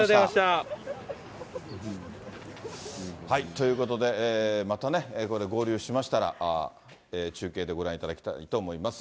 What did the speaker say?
ということで、またね、これ、合流しましたら中継でご覧いただきたいと思います。